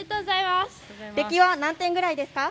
出来は何点ぐらいですか？